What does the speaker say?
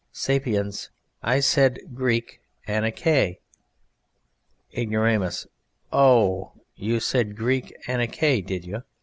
SAPIENS. I said [Greek: Anankae]. IGNORAMUS. Oh! h h! you said [Greek: anankae], did you?